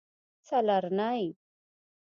څلرنۍ